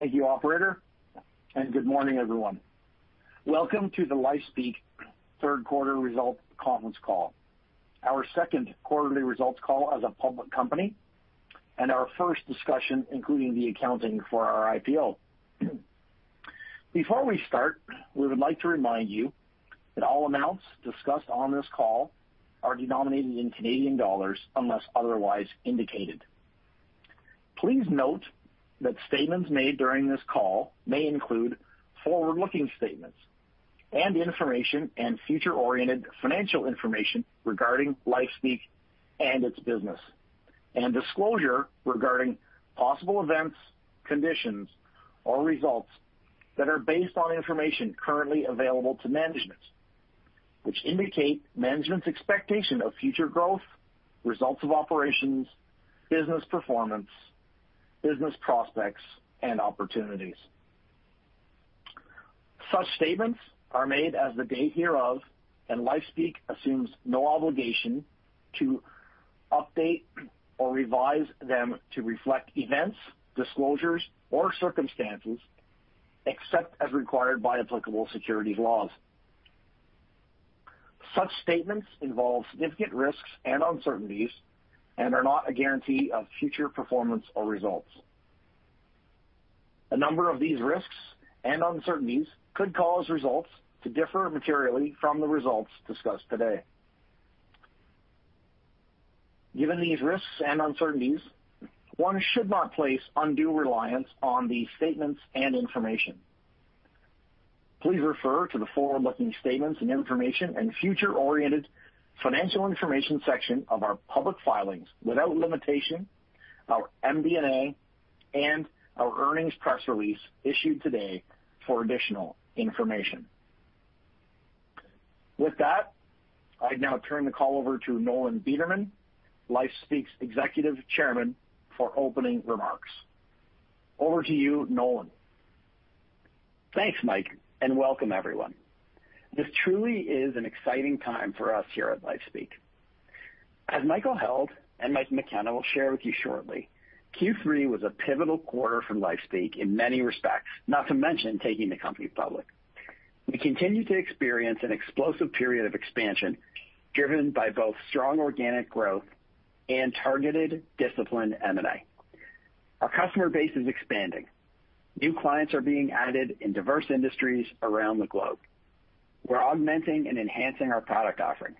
Thank you operator, and good morning everyone. Welcome to the LifeSpeak third quarter results conference call, our second quarterly results call as a public company, and our first discussion, including the accounting for our IPO. Before we start, we would like to remind you that all amounts discussed on this call are denominated in Canadian dollars unless otherwise indicated. Please note that statements made during this call may include forward-looking statements and information and future-oriented financial information regarding LifeSpeak and its business, and disclosure regarding possible events, conditions or results that are based on information currently available to management, which indicate management's expectation of future growth, results of operations, business performance, business prospects and opportunities. Such statements are made as of the date hereof, and LifeSpeak assumes no obligation to update or revise them to reflect events, disclosures or circumstances except as required by applicable securities laws. Such statements involve significant risks and uncertainties and are not a guarantee of future performance or results. A number of these risks and uncertainties could cause results to differ materially from the results discussed today. Given these risks and uncertainties, one should not place undue reliance on these statements and information. Please refer to the forward-looking statements and information and future-oriented financial information section of our public filings, without limitation, our MD&A and our earnings press release issued today for additional information. With that, I'll now turn the call over to Nolan Bederman, LifeSpeak's Executive Chairman, for opening remarks. Over to you, Nolan. Thanks, Mike, and welcome, everyone. This truly is an exciting time for us here at LifeSpeak. As Michael Held and Mike McKenna will share with you shortly, Q3 was a pivotal quarter for LifeSpeak in many respects, not to mention taking the company public. We continue to experience an explosive period of expansion driven by both strong organic growth and targeted, disciplined M&A. Our customer base is expanding. New clients are being added in diverse industries around the globe. We're augmenting and enhancing our product offering.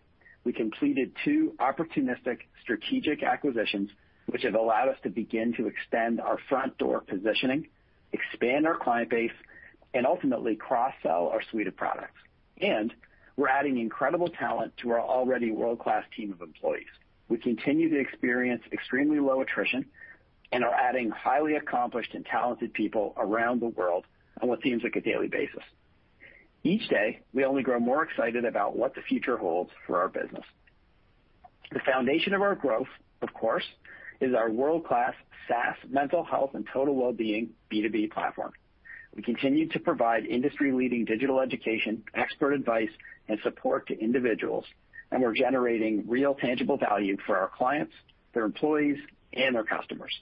We completed two opportunistic, strategic acquisitions, which have allowed us to begin to extend our front-door positioning, expand our client base, and ultimately cross-sell our suite of products. We're adding incredible talent to our already world-class team of employees. We continue to experience extremely low attrition and are adding highly accomplished and talented people around the world on what seems like a daily basis. Each day, we only grow more excited about what the future holds for our business. The foundation of our growth, of course, is our world-class SaaS mental health and total well-being B2B platform. We continue to provide industry-leading digital education, expert advice, and support to individuals, and we're generating real, tangible value for our clients, their employees, and their customers.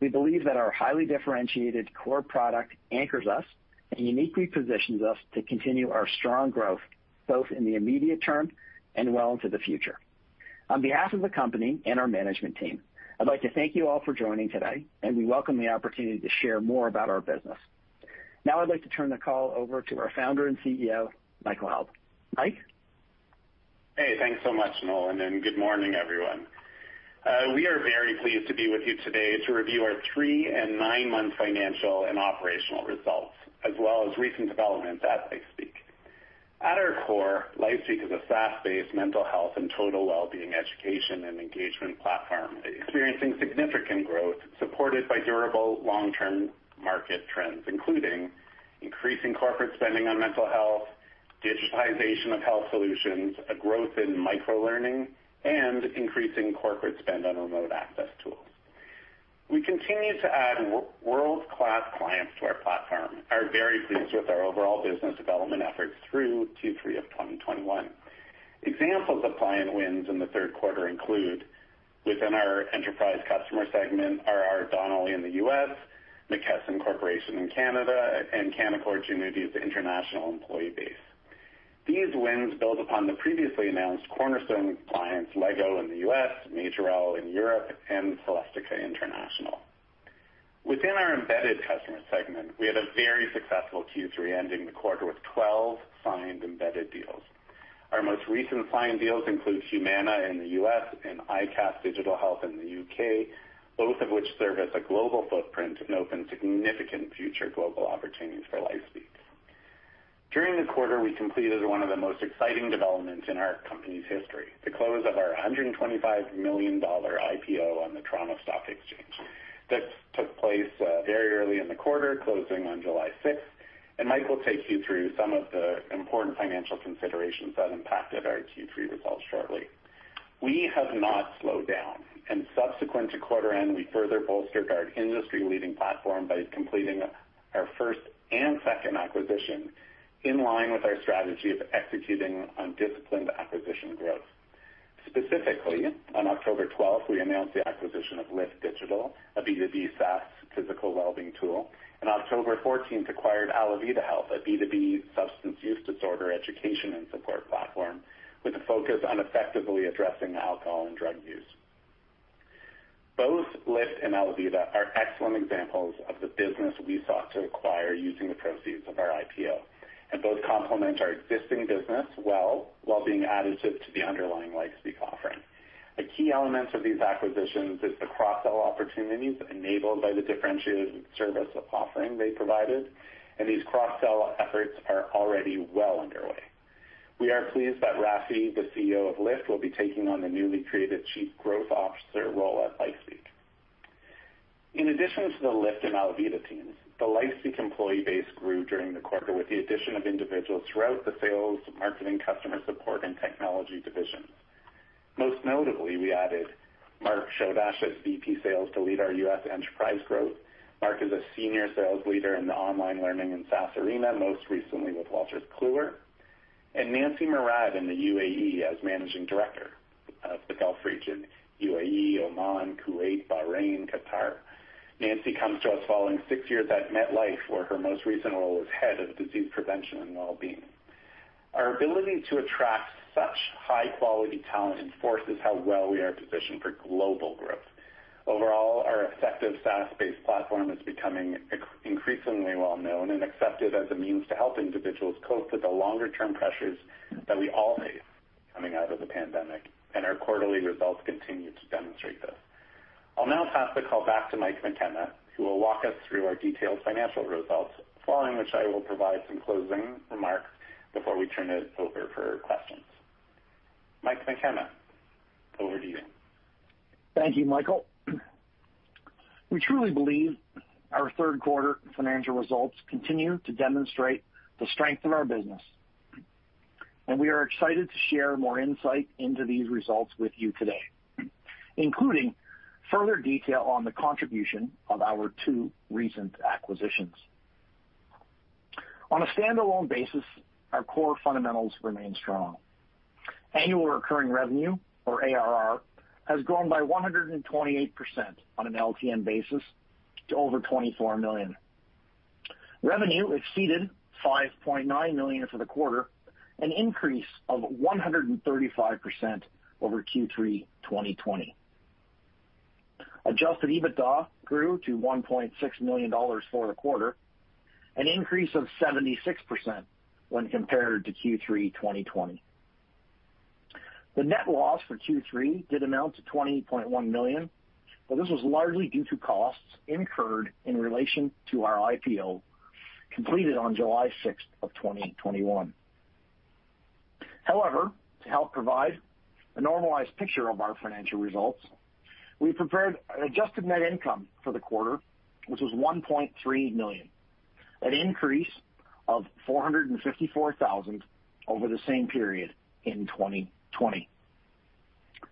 We believe that our highly differentiated core product anchors us and uniquely positions us to continue our strong growth both in the immediate term and well into the future. On behalf of the company and our management team, I'd like to thank you all for joining today, and we welcome the opportunity to share more about our business. Now I'd like to turn the call over to our founder and CEO, Michael Held. Mike. Hey, thanks so much, Nolan, and good morning, everyone. We are very pleased to be with you today to review our three- and nine-month financial and operational results, as well as recent developments at LifeSpeak. At our core, LifeSpeak is a SaaS-based mental health and total well-being education and engagement platform experiencing significant growth supported by durable long-term market trends, including increasing corporate spending on mental health, digitization of health solutions, growth in micro-learning, and increasing corporate spend on remote access tools. We continue to add world-class clients to our platform and are very pleased with our overall business development efforts through Q3 of 2021. Examples of client wins in the third quarter include, within our enterprise customer segment, R.R. Donnelley in the U.S., McKesson Corporation in Canada, and Canaccord Genuity's international employee base. These wins build upon the previously announced cornerstone clients: LEGO in the U.S., Majorel in Europe, and Celestica International. Within our embedded customer segment, we had a very successful Q3, ending the quarter with 12 signed embedded deals. Our most recently signed deals include Humana in the U.S. and ICAS Digital Health in the U.K., both of which serve as a global footprint and open significant future global opportunities for LifeSpeak. During the quarter, we completed one of the most exciting developments in our company's history: the close of our 125 million dollar IPO on the Toronto Stock Exchange. This took place very early in the quarter, closing on July 6th, and Mike will take you through some of the important financial considerations that impacted our Q3 results shortly. We have not slowed down, and subsequent to quarter end, we further bolstered our industry-leading platform by completing our first and second acquisition in line with our strategy of executing on disciplined acquisition growth. Specifically, on October twelfth, we announced the acquisition of LIFT Digital, a B2B SaaS physical well-being tool, and October fourteenth acquired ALAViDA Health, a B2B substance use disorder education and support platform with a focus on effectively addressing alcohol and drug use. Both LIFT and ALAViDA are excellent examples of the business we sought to acquire using the proceeds of our IPO, and both complement our existing business well, while being additive to the underlying LifeSpeak offering. A key element of these acquisitions is the cross-sell opportunities enabled by the differentiated service offering they provided, and these cross-sell efforts are already well underway. We are pleased that Ragy, the CEO of LIFT, will be taking on the newly created Chief Growth Officer role at LifeSpeak. In addition to the LIFT and ALAViDA teams, the LifeSpeak employee base grew during the quarter with the addition of individuals throughout the sales, marketing, customer support, and technology divisions. Most notably, we added Mark Shodash as VP Sales to lead our U.S. enterprise growth. Mark is a senior sales leader in the online learning and SaaS arena, most recently with Wolters Kluwer. Nancy Mourad is in the UAE as Managing Director of the Gulf region, UAE, Oman, Kuwait, Bahrain, and Qatar. Nancy comes to us following six years at MetLife, where her most recent role was Head of Disease Prevention and Wellbeing. Our ability to attract such high-quality talent reinforces how well we are positioned for global growth. Overall, our effective SaaS-based platform is becoming increasingly well-known and accepted as a means to help individuals cope with the longer-term pressures that we all face coming out of the pandemic, and our quarterly results continue to demonstrate this. I'll now pass the call back to Mike McKenna, who will walk us through our detailed financial results, following which I will provide some closing remarks before we turn it over for questions. Mike McKenna, over to you. Thank you, Michael. We truly believe our third-quarter financial results continue to demonstrate the strength of our business, and we are excited to share more insight into these results with you today, including further detail on the contribution of our two recent acquisitions. On a standalone basis, our core fundamentals remain strong. Annual recurring revenue, or ARR, has grown by 128% on an LTM basis to over 24 million. Revenue exceeded 5.9 million for the quarter, an increase of 135% over Q3 2020. Adjusted EBITDA grew to 1.6 million dollars for the quarter, an increase of 76% when compared to Q3 2020. The net loss for Q3 did amount to 20 million, but this was largely due to costs incurred in relation to our IPO completed on July 6, 2021. However, to help provide a normalized picture of our financial results, we prepared an adjusted net income for the quarter, which was 1.3 million, an increase of 454,000 over the same period in 2020.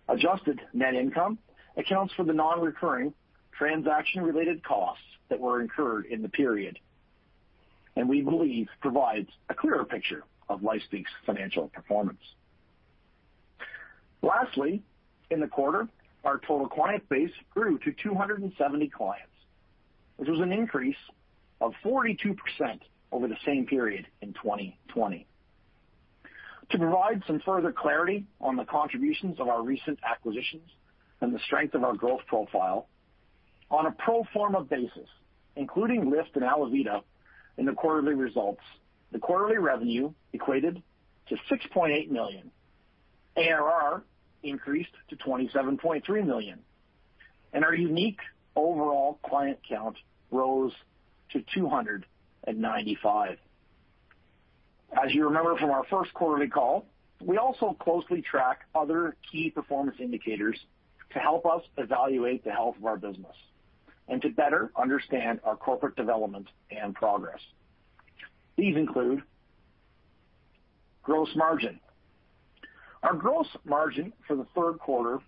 Adjusted net income accounts for the non-recurring transaction-related costs that were incurred in the period, and we believe provides a clearer picture of LifeSpeak's financial performance. Lastly, in the quarter, our total client base grew to 270 clients, which was an increase of 42% over the same period in 2020. To provide some further clarity on the contributions of our recent acquisitions and the strength of our growth profile, on a pro forma basis, including LIFT and ALAViDA in the quarterly results, the quarterly revenue equated to 6.8 million, ARR increased to 27.3 million, and our unique overall client count rose to 295. As you remember from our first quarterly call, we also closely track other key performance indicators to help us evaluate the health of our business and to better understand our corporate development and progress. These include gross margin. Our gross margin for the third quarter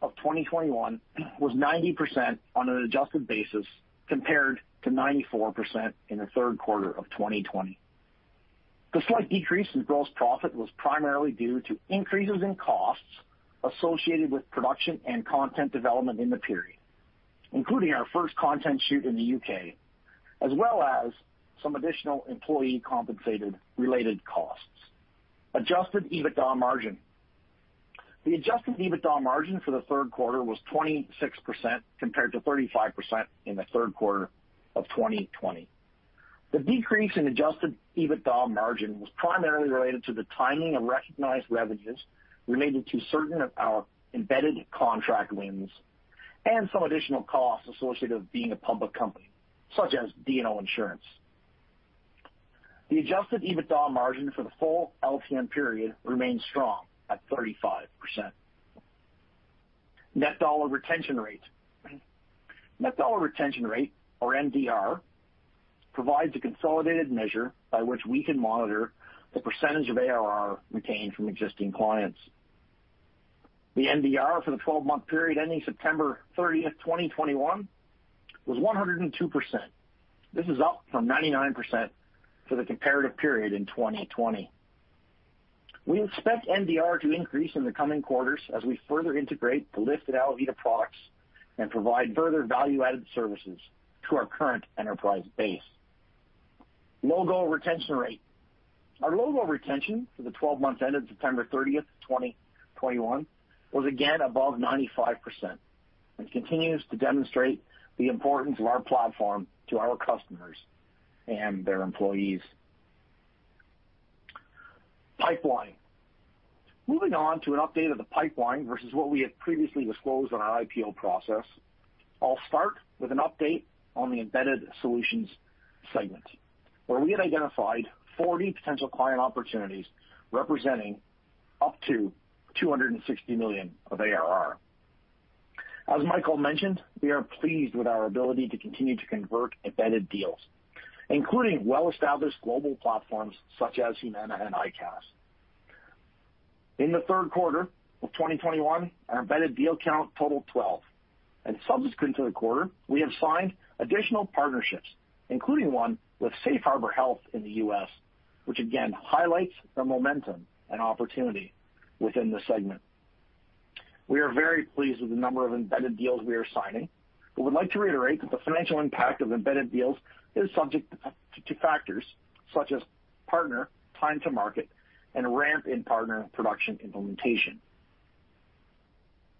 of 2021 was 90% on an adjusted basis compared to 94% in the third quarter of 2020. The slight decrease in gross profit was primarily due to increases in costs associated with production and content development in the period, including our first content shoot in the U.K., as well as some additional employee compensation-related costs. Adjusted EBITDA margin. The adjusted EBITDA margin for the third quarter was 26% compared to 35% in the third quarter of 2020. The decrease in adjusted EBITDA margin was primarily related to the timing of recognized revenues related to certain of our embedded contract wins and some additional costs associated with being a public company, such as D&O insurance. The adjusted EBITDA margin for the full LTM period remains strong at 35%. Net dollar retention rate. Net dollar retention rate, or NDR, provides a consolidated measure by which we can monitor the percentage of ARR retained from existing clients. The NDR for the 12-month period ending September 30, 2021, was 102%. This is up from 99% for the comparative period in 2020. We expect NDR to increase in the coming quarters as we further integrate the LIFT and ALAViDA products and provide further value-added services to our current enterprise base. Logo retention rate. Our logo retention for the 12 months ended September 30, 2021, was again above 95% and continues to demonstrate the importance of our platform to our customers and their employees. Pipeline. Moving on to an update of the pipeline versus what we had previously disclosed in our IPO process. I'll start with an update on the embedded solutions segment, where we had identified 40 potential client opportunities representing up to 260 million of ARR. As Michael mentioned, we are pleased with our ability to continue to convert embedded deals, including well-established global platforms such as Humana and ICAS. In the third quarter of 2021, our embedded deal count totaled 12, and subsequent to the quarter, we have signed additional partnerships, including one with Safe Harbor Health in the U.S., which again highlights the momentum and opportunity within the segment. We are very pleased with the number of embedded deals we are signing, but would like to reiterate that the financial impact of embedded deals is subject to factors such as partner time to market and ramp in partner production implementation.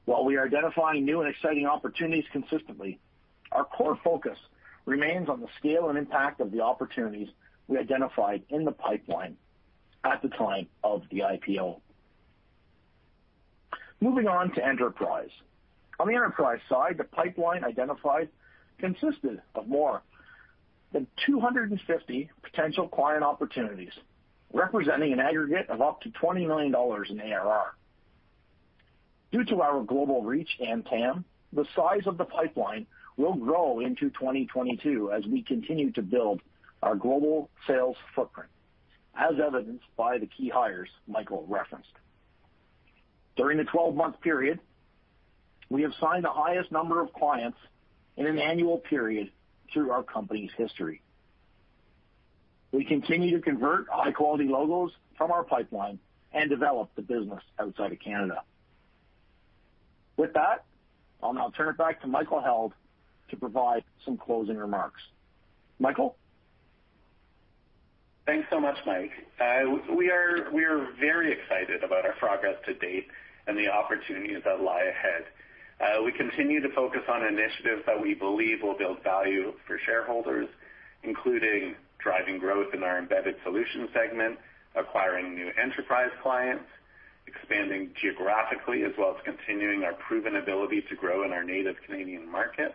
While we are consistently identifying new and exciting opportunities, our core focus remains on the scale and impact of the opportunities we identified in the pipeline at the time of the IPO. Moving on to enterprise. On the enterprise side, the identified pipeline consisted of more than 250 potential client opportunities, representing an aggregate of up to 20 million dollars in ARR. Due to our global reach and TAM, the size of the pipeline will grow into 2022 as we continue to build our global sales footprint, as evidenced by the key hires Michael referenced. During the twelve-month period, we signed the highest number of clients in an annual period throughout our company's history. We continue to convert high-quality logos from our pipeline and develop the business outside of Canada. With that, I'll now turn it back to Michael Held to provide some closing remarks. Michael? Thanks so much, Mike. We are very excited about our progress to date and the opportunities that lie ahead. We continue to focus on initiatives that we believe will build value for shareholders, including driving growth in our embedded solutions segment, acquiring new enterprise clients, expanding geographically, as well as continuing our proven ability to grow in our native Canadian market,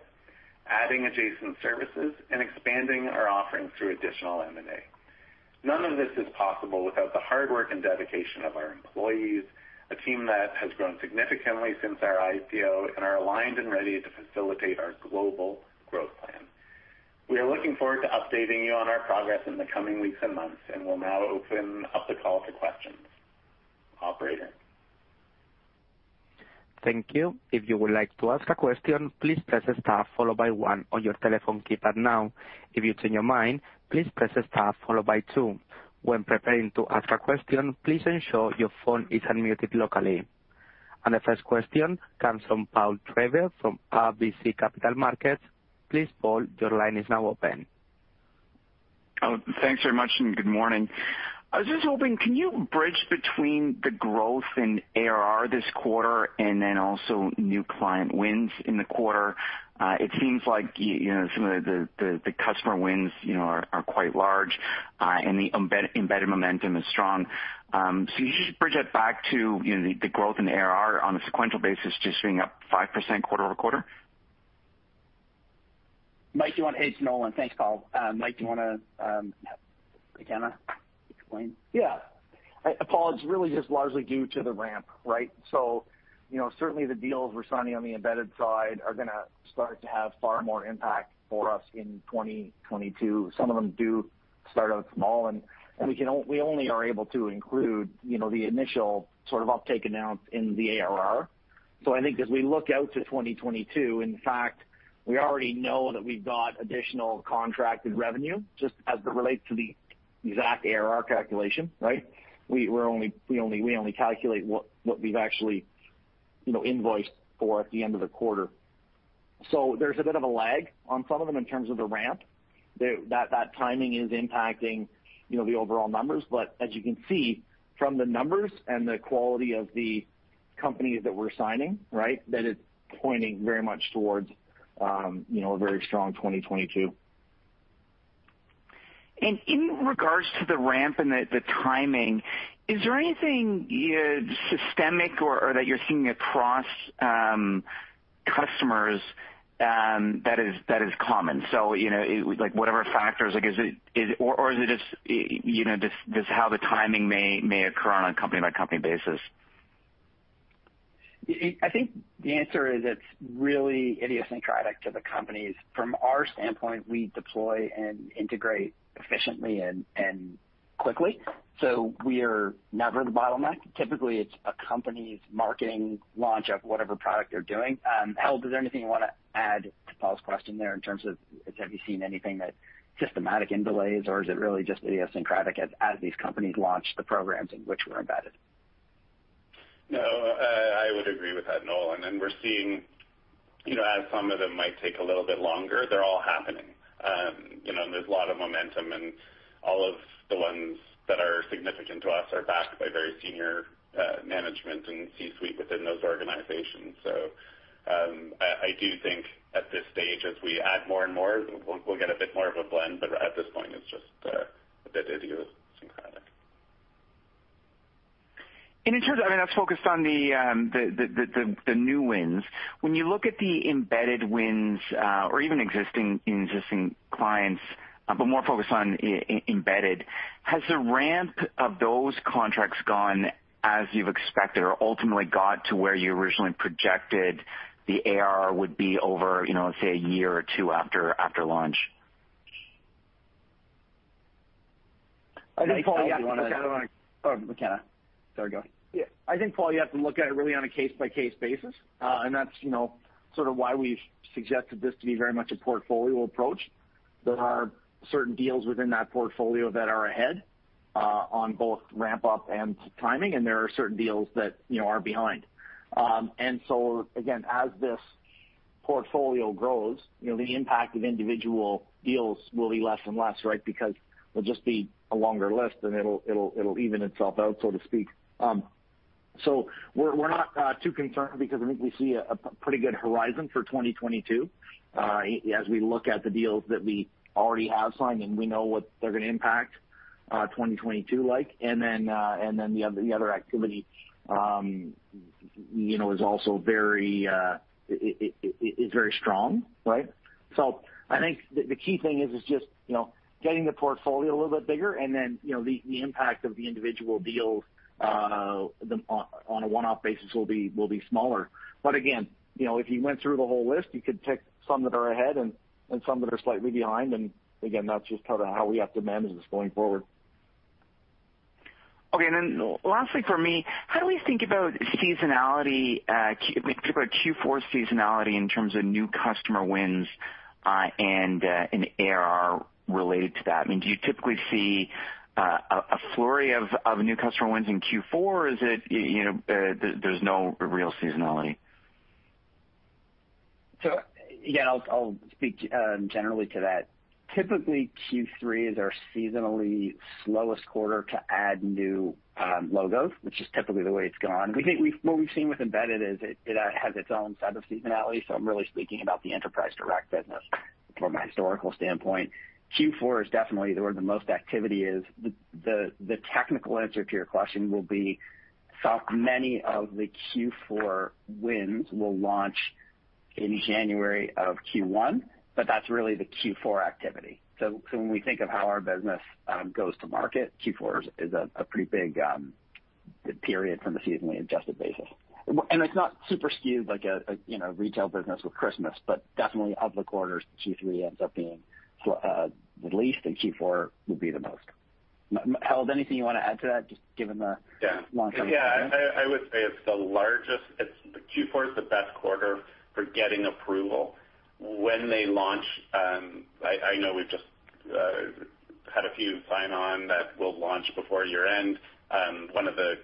adding adjacent services, and expanding our offerings through additional M&A. None of this is possible without the hard work and dedication of our employees, a team that has grown significantly since our IPO and is aligned and ready to facilitate our global growth plan. We are looking forward to updating you on our progress in the coming weeks and months, and we'll now open up the call to questions. Operator? Thank you. If you would like to ask a question, please press star followed by one on your telephone keypad now. If you change your mind, please press star followed by two. When preparing to ask a question, please ensure your phone is unmuted locally. The first question comes from Paul Treiber from RBC Capital Markets. Paul, your line is now open. Oh, thanks very much, and good morning. I was just hoping, can you bridge the growth in ARR this quarter and the new client wins in the quarter? It seems like some of the customer wins are quite large, and the embedded momentum is strong. So can you just bridge that back to the growth in ARR on a sequential basis, just being up 5% quarter-over-quarter? Hey, it's Nolan. Thanks, Paul. Mike, do you want to take a turn to explain? Yeah. Paul, it's really just largely due to the ramp, right? You know, certainly the deals we're signing on the embedded side are going to start to have far more impact for us in 2022. Some of them do start out small, and we are only able to include, you know, the initial sort of uptake announced in the ARR. I think as we look out to 2022, in fact, we already know that we've got additional contracted revenue, just as it relates to the exact ARR calculation, right? We only calculate what we've actually, you know, invoiced for at the end of the quarter. There's a bit of a lag on some of them in terms of the ramp. That timing is impacting, you know, the overall numbers. As you can see from the numbers and the quality of the companies we're signing, it's pointing very much towards a very strong 2022. In regards to the ramp and the timing, is there anything systemic or common that you're seeing across customers? You know, what factors are involved, or is it just how the timing may occur on a company-by-company basis? I think the answer is that it's really idiosyncratic to the companies. From our standpoint, we deploy and integrate efficiently, and Quickly. We're never the bottleneck. Typically, it's a company's marketing launch of whatever product they're doing. Held, is there anything you want to add to Paul's question there in terms of, have you seen anything that's systematic in delays, or is it really just idiosyncratic as these companies launch the programs in which we're embedded? No, I would agree with that, Nolan. We're seeing, you know, as some of them might take a little bit longer, they're all happening. You know, there's a lot of momentum, and all of the ones that are significant to us are backed by very senior management and C-suite within those organizations. I do think at this stage, as we add more and more, we'll get a bit more of a blend, but at this point, it's just a bit idiosyncratic. In terms of, I mean, that's focused on the new wins. When you look at the embedded wins, or even existing clients, but more focused on embedded, has the ramp of those contracts gone as you've expected or ultimately gotten to where you originally projected the ARR would be over, you know, say, a year or two after launch? I think, Paul, you have to Mike, do you wanna- Oh, McKenna. Sorry, go ahead. Yeah. I think, Paul, you have to look at it really on a case-by-case basis. That's, you know, sort of why we've suggested this to be very much a portfolio approach. There are certain deals within that portfolio that are ahead, on both ramp-up and timing, and there are certain deals that, you know, are behind. Again, as this portfolio grows, you know, the impact of individual deals will be less and less, right, because there'll be a longer list, and it'll even itself out, so to speak. We're not too concerned because I think we see a pretty good horizon for 2022, as we look at the deals that we already have signed, and we know what they're going to impact 2022 like. The other activity, you know, is also very strong, right? I think the key thing is just, you know, getting the portfolio a little bit bigger, and then, you know, the impact of the individual deals on a one-off basis will be smaller. Again, you know, if you went through the whole list, you could pick some that are ahead and some that are slightly behind. That's just kind of how we have to manage this going forward. Okay, and then lastly for me, how do we think about seasonality? I mean, think about Q4 seasonality in terms of new customer wins and ARR related to that. I mean, do you typically see a flurry of new customer wins in Q4, or is there no real seasonality? Again, I'll speak generally to that. Typically, Q3 is our seasonally slowest quarter to add new logos, which is typically the way it's gone. What we've seen with embedded is that it has its own set of seasonality, so I'm really speaking about the enterprise direct business from a historical standpoint. Q4 is definitely where most of the activity is. The technical answer to your question will be how many of the Q4 wins will launch in January of Q1, but that's really the Q4 activity. When we think of how our business goes to market, Q4 is a pretty big period on a seasonally adjusted basis. It's not super skewed like a retail business with Christmas, but definitely of the quarters, Q3 ends up being the least, and Q4 would be the most. Harold, anything you want to add to that, just given the— Yeah. Launch timeframe? Yeah. I would say it's the largest. Q4 is the best quarter for getting approval. When they launch, I know we've just had a few sign on that will launch before year-end. One of the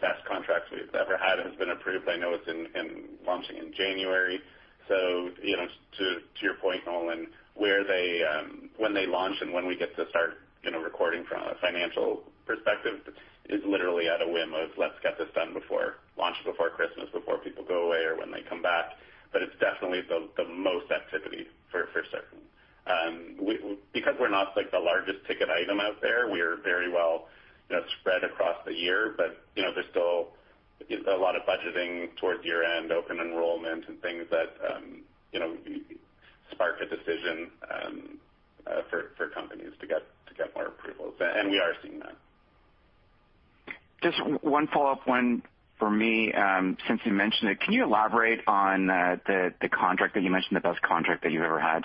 best contracts we've ever had has been approved. I know it's launching in January. So, you know, to your point, Nolan, when they launch and when we get to start, you know, recording from a financial perspective is literally at the whim of "let's get this done before launch, before Christmas, before people go away or when they come back." It's definitely the most activity for certain. Because we're not, like, the largest ticket item out there, we are very well, you know, spread across the year. You know, there's still a lot of budgeting towards year-end, open enrollment, and things that, you know, spark a decision for companies to get more approvals, and we are seeing that. Just one follow-up for me, since you mentioned it. Can you elaborate on the contract that you mentioned, the best contract that you've ever had?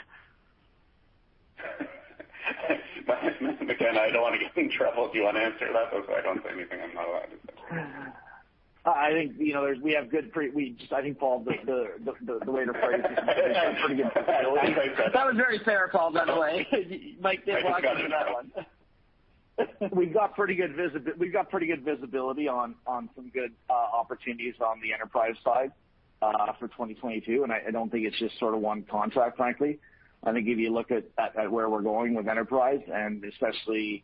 Again, I don't want to get in trouble. Do you want to answer that so I don't say anything I'm not allowed to say? I think, you know, I think, Paul, the latter part of your question has pretty good visibility. I like that. That was very fair, Paul, by the way. Mike, Dave walking through that one. I just gotta know. We've got pretty good visibility on some good opportunities on the enterprise side for 2022, and I don't think it's just sort of one contract, frankly. I think if you look at where we're going with enterprise, and especially,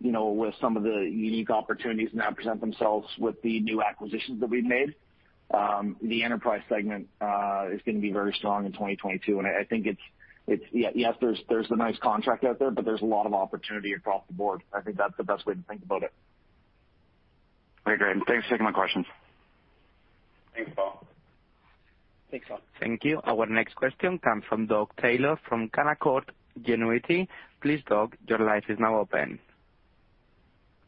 you know, with some of the unique opportunities now presenting themselves with the new acquisitions that we've made, the enterprise segment is going to be very strong in 2022. I think it's -- Yes, there's the nice contract out there, but there's a lot of opportunity across the board. I think that's the best way to think about it. Very great. Thanks for taking my questions. Thanks, Paul. Thanks, Paul. Thank you. Our next question comes from Doug Taylor from Canaccord Genuity. Please, Doug, your line is now open.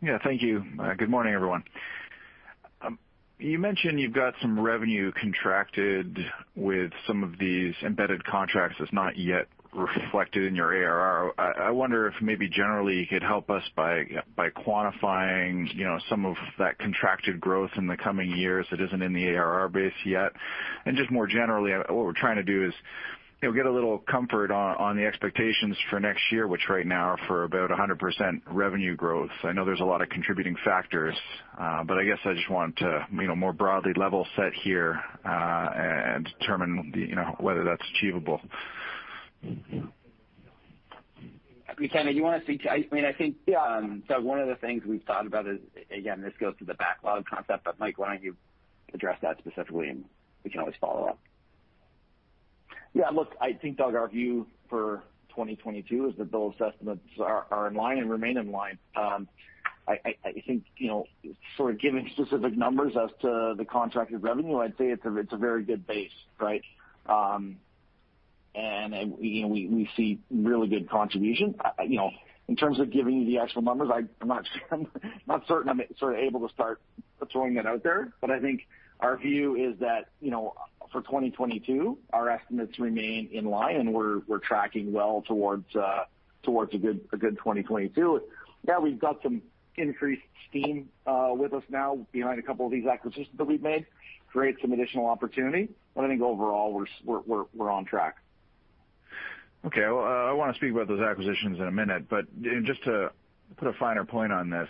Yeah, thank you. Good morning, everyone. You mentioned you've got some revenue contracted with some of these embedded contracts that's not yet reflected in your ARR. I wonder if maybe you could generally help us by quantifying some of that contracted growth in the coming years that isn't in the ARR base yet. More generally, what we're trying to do is get a little comfort on the expectations for next year, which right now are for about 100% revenue growth. I know there are a lot of contributing factors, but I guess I just want to more broadly level set here and determine whether that's achievable. McKenna, I mean, I think. Yeah. One of the things we've thought about is, again, this goes to the backlog concept, but Mike, why don't you address that specifically, and we can always follow up. Yeah, look, I think, Doug, our view for 2022 is that those estimates are in line and remain in line. I think, you know, sort of giving specific numbers as to the contracted revenue, I'd say it's a very good base, right? You know, we see really good contribution. You know, in terms of giving you the actual numbers, I'm not sure I'm able to start throwing them out there. I think our view is that, you know, for 2022, our estimates remain in line, and we're tracking well towards a good 2022. Yeah, we've got some increased steam with us now behind a couple of these acquisitions that we've made, which creates some additional opportunity, but I think overall, we're on track. Okay. Well, I want to speak about those acquisitions in a minute, but just to put a finer point on this,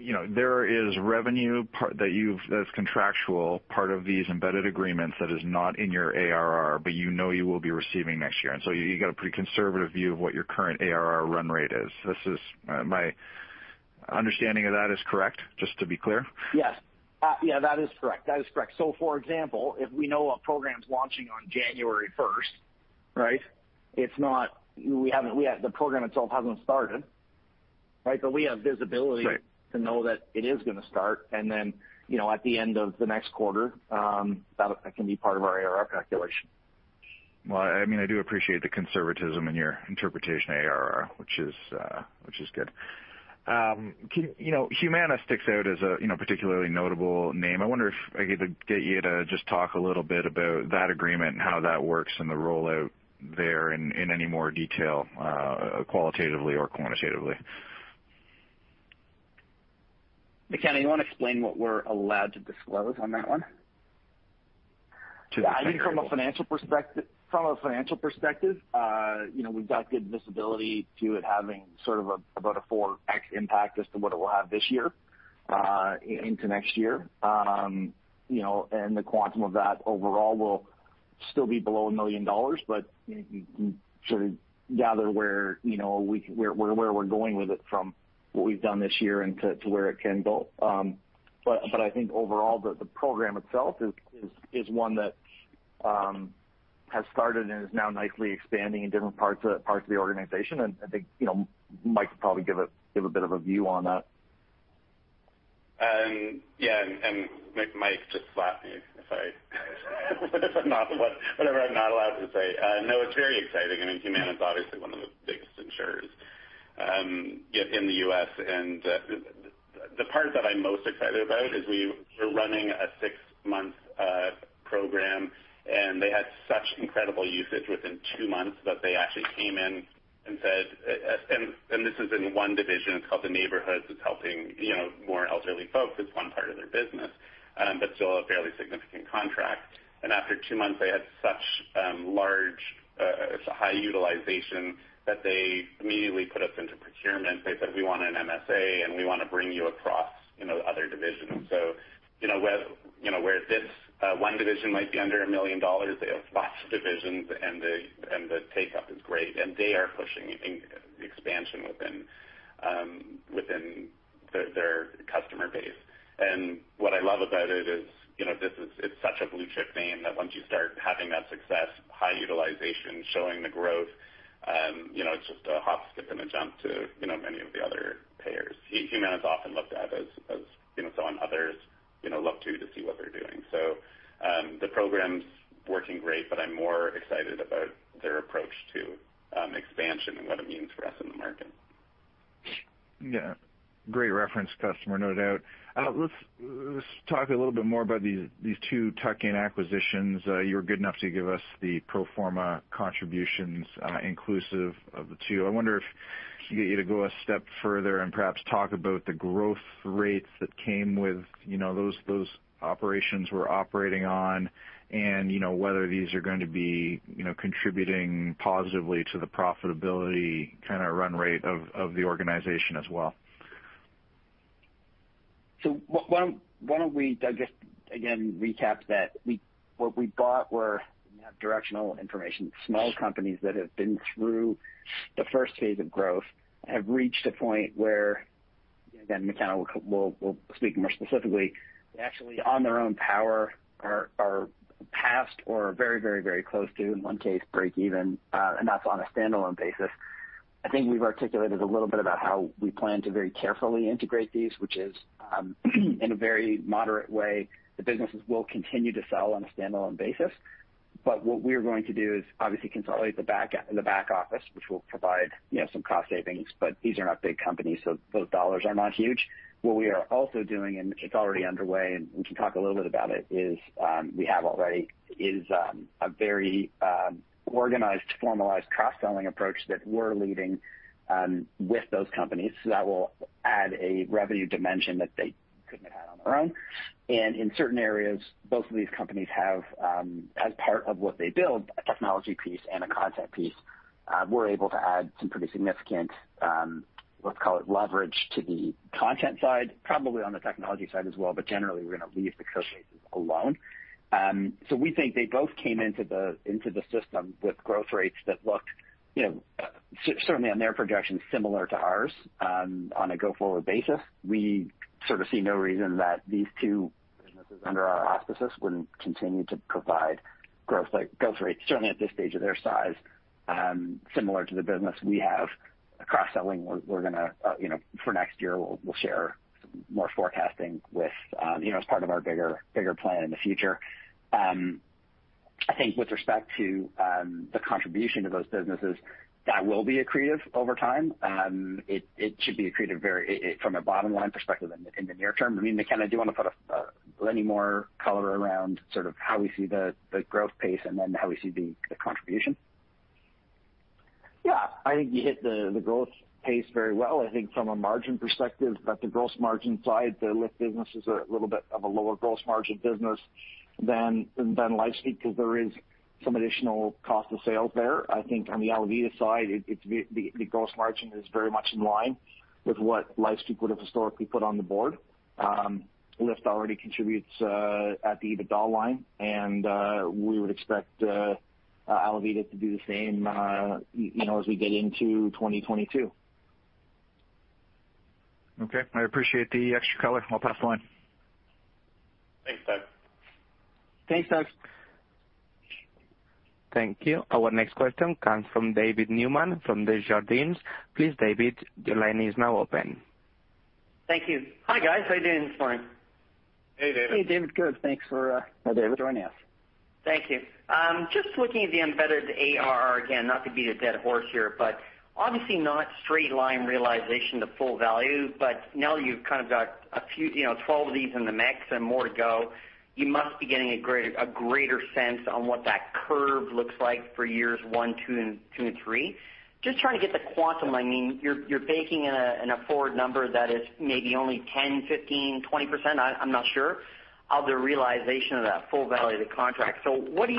you know, there is revenue that's contractual, part of these embedded agreements that is not in your ARR, but you know you will be receiving next year. You've got a pretty conservative view of what your current ARR run rate is. My understanding of that is correct, just to be clear. Yes. Yeah, that is correct. For example, if we know a program is launching on January first, right? The program itself hasn't started, right? But we have visibility. Right. To know that it's going to start, and then, you know, at the end of the next quarter, that can be part of our ARR calculation. Well, I mean, I do appreciate the conservatism in your interpretation of ARR, which is good. Humana sticks out as a particularly notable name. I wonder if I could get you to just talk a little about that agreement and how that works and the rollout there in any more detail, qualitatively or quantitatively. McKenna, do you want to explain what we're allowed to disclose on that one? To the- I think from a financial perspective, you know, we've got good visibility to it having about a 4x impact compared to what it will have this year, into next year. You know, and the quantum of that overall will still be below 1 million dollars, but you can sort of gather where we're going with it from what we've done this year and to where it can build. But I think overall, the program itself is one that has started and is now nicely expanding in different parts of the organization. I think, you know, Mike could probably give a bit of a view on that. Yeah, Mike, just slap me if I'm not allowed to say something. No, it's very exciting. Humana is obviously one of the biggest insurers in the U.S. The part that I'm most excited about is that we were running a six-month program, and they had such incredible usage within two months that they actually came in and said, "This is in one division, it's called The Neighborhoods." It's helping more elderly folks. It's one part of their business, but still a fairly significant contract. After two months, they had such high utilization that they immediately put us into procurement. They said, "We want an MSA, and we want to bring you across, you know, other divisions." You know, where this one division might be under $1 million, they have spot divisions, and the take-up is great, and they are pushing for expansion within their customer base. What I love about it is, you know, this is such a blue-chip name that once you start having that success, high utilization, showing the growth, you know, it's just a hop, skip, and a jump to, you know, many of the other payers. Humana is often looked at as, you know, and others, you know, look to see what they're doing. The program's working great, but I'm more excited about their approach to expansion and what it means for us in the market. Yeah. Great reference customer, no doubt. Let's talk a little bit more about these two tuck-in acquisitions. You were good enough to give us the pro forma contributions, inclusive of the two. I wonder if I could get you to go a step further and perhaps talk about the growth rates that those operations were operating on and whether these are going to be contributing positively to the profitability kind of run rate of the organization as well. Why don't we, Doug, just recap what we bought: directional information. Small companies that have been through the first phase of growth have reached a point where, again, McKenna will speak more specifically, actually on their own power, are past or very close to, in one case, break even, and that's on a standalone basis. I think we've articulated a little bit about how we plan to very carefully integrate these, which is in a very moderate way. The businesses will continue to sell on a standalone basis. What we're going to do is obviously consolidate the back office, which will provide some cost savings. These are not big companies, so those dollars are not huge. What we are also doing, and it's already underway, and we can talk a little bit about it, is a very organized, formalized cross-selling approach that we're leading with those companies. That will add a revenue dimension that they couldn't have had on their own. In certain areas, both of these companies have, as part of what they build, a technology piece and a content piece. We're able to add some pretty significant, let's call it, leverage to the content side, probably on the technology side as well. Generally, we're going to leave the codebases alone. We think they both came into the system with growth rates that looked, you know, certainly on their projections, similar to ours. On a go-forward basis, we see no reason that these two businesses under our auspices wouldn't continue to provide growth rates, certainly at this stage of their size, similar to the business we have. We're going to share more forecasting for cross-selling for next year as part of our bigger plan in the future. I think with respect to the contribution of those businesses, that will be accretive over time. It should be accretive from a bottom-line perspective in the near term. McKenna, do you want to add any more color around how we see the growth pace and how we see the contribution? Yeah. I think you hit the growth pace very well. I think from a margin perspective, on the gross margin side, the LIFT businesses have a slightly lower gross margin than LifeSpeak because there's some additional cost of sales there. I think on the ALAViDA side, the gross margin is very much in line with what LifeSpeak would have historically put on the board. LIFT already contributes to the EBITDA line, and we would expect ALAViDA to do the same as we get into 2022. Okay. I appreciate the extra color. I'll pass the line. Thanks, Doug. Thanks, Doug. Thank you. Our next question comes from David Newman from Desjardins. Please, David, your line is now open. Thank you. Hi, guys. How you doing this morning? Hey, David. Hey, David. Good. Thanks for, Hi, David. joining us. Thank you. Just looking at the embedded ARR again, not to beat a dead horse here, but obviously not a straight-line realization to full value. Now that you've kind of got a few, 12 of these in the mix and more to go, you must be getting a greater sense of what that curve looks like for years 1, 2, and 3. Just trying to get the quantum. I mean, you're baking in a forward number that is maybe only 10, 15, 20%, I'm not sure, of the realization of that full value of the contract. What are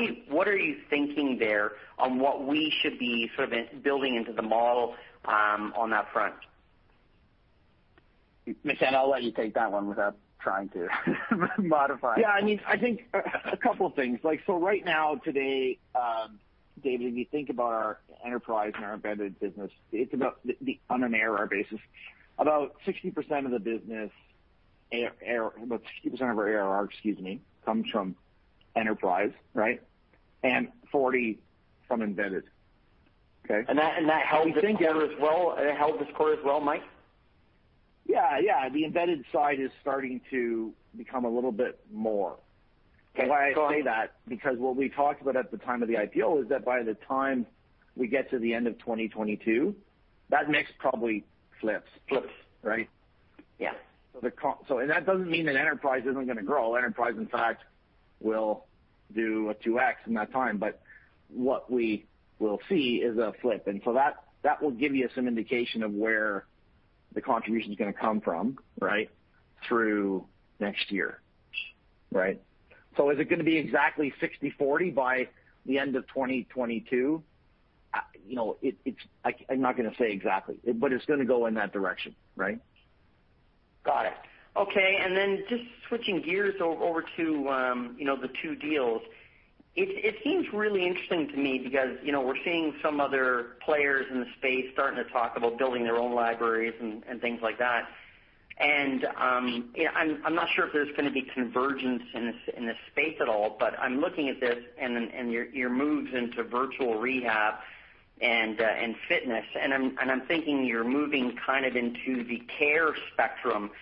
you thinking there on what we should be sort of building into the model, on that front? McKenna, I'll let you take that one without trying to modify. Yeah. I mean, I think a couple of things. Like, right now today, David, if you think about our enterprise and our embedded business, it's about, on an ARR basis, about 60% of the business ARR, about 60% of our ARR, excuse me, comes from enterprise, right? 40% from embedded. Okay? That held this quarter as well, Mike? Yeah, yeah. The embedded side is starting to become a little bit more so. Okay. Why I say that is because what we talked about at the time of the IPO is that by the time we get to the end of 2022, that mix probably flips. Flips. Right? Yeah. That doesn't mean that enterprise isn't going to grow. Enterprise, in fact, will do a 2x in that time. What we will see is a flip. That will give you some indication of where the contributions are going to come from, right, through next year. Right? Is it going to be exactly 60/40 by the end of 2022? You know, I'm not going to say exactly, but it's going to go in that direction, right? Got it. Okay. Just switching gears over to the two deals. It seems really interesting to me because we're seeing some other players in the space starting to talk about building their own libraries and things like that. I'm not sure if there's going to be convergence in this space at all, but I'm looking at this and your moves into virtual rehab and fitness, and I'm thinking you're moving kind of into the care spectrum.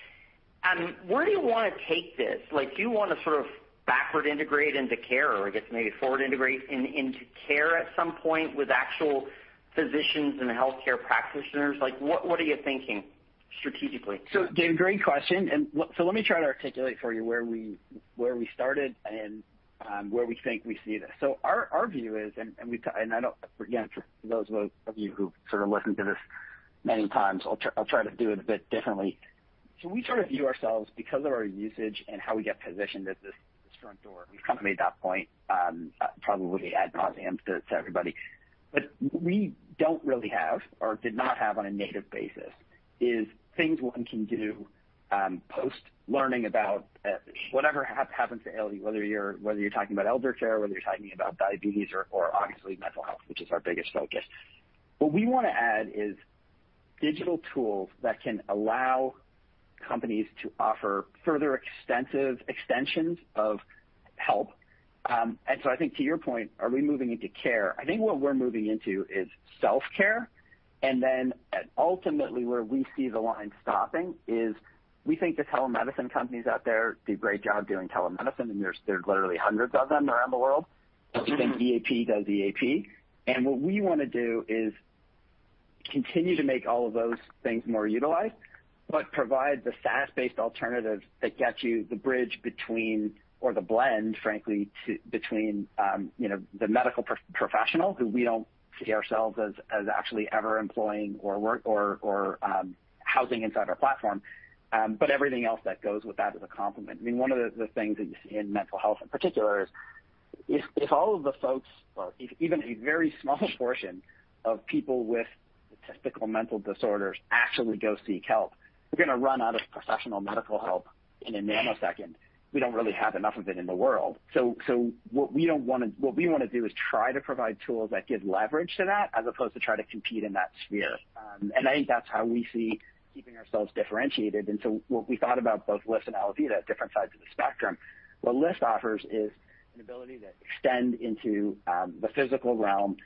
Where do you want to take this? Do you want to sort of backward integrate into care or, I guess, maybe forward integrate into care at some point with actual physicians and healthcare practitioners? What are you thinking strategically? Dave, great question. Let me try to articulate for you where we started and where we think we see this. Our view is, and I don't—again, for those of you who sort of listen to this many times, I'll try to do it a bit differently—we sort of view ourselves, because of our usage and how we get positioned, as this front door. We've kind of made that point probably ad nauseam to everybody. We don't really have or did not have on a native basis things one can do post-learning about whatever happens to the elderly, whether you're talking about elder care, whether you're talking about diabetes, or obviously mental health, which is our biggest focus. What we want to add are digital tools that can allow companies to offer further extensive extensions of help. I think to your point, are we moving into care? I think what we're moving into is self-care. Ultimately, where we see the line stopping is we think the telemedicine companies out there do a great job doing telemedicine, and there are literally hundreds of them around the world. We think EAP does EAP. What we want to do is continue to make all of those things more utilized, but provide the SaaS-based alternative that gives you the bridge or the blend, frankly, between the medical professional, who we don't see ourselves as actually ever employing or working or housing inside our platform, but everything else that goes with that as a complement. I mean, one of the things that you see in mental health in particular is if all of the folks or even a very small portion of people with typical mental disorders actually seek help, we're going to run out of professional medical help in a nanosecond. We don't really have enough of it in the world. So what we want to do is try to provide tools that give leverage to that as opposed to trying to compete in that sphere. I think that's how we see keeping ourselves differentiated. What we thought about both LIFT and ALAViDA at different sides of the spectrum, what LIFT offers is an ability to extend into the physical realm.